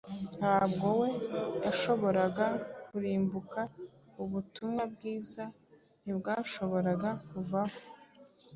Nubwo we yashoboraga kurimbuka, ubutumwa bwiza ntibwashoboraga kuvaho.